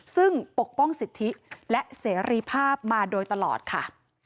ซึ่งปกป้องสิทธิและเสรีภาพมาโดยตลอดค่ะ